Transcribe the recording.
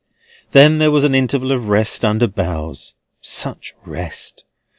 Then there was an interval of rest under boughs (such rest!)